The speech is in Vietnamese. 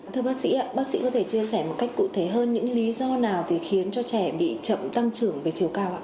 thưa bác sĩ ạ bác sĩ có thể chia sẻ một cách cụ thể hơn những lý do nào khiến cho trẻ bị chậm tăng trưởng về chiều cao ạ